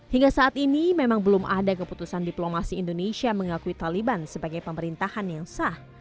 hingga saat ini memang belum ada keputusan diplomasi indonesia mengakui taliban sebagai pemerintahan yang sah